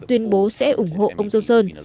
tuyên bố sẽ ủng hộ ông johnson